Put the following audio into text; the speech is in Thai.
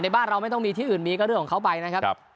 บ้านเราไม่ต้องมีที่อื่นมีก็เรื่องของเขาไปนะครับ